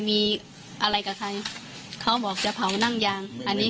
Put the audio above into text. มีอะไรกับใครจะผาแน่กัน